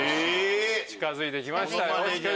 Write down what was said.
近づいてきましたよ。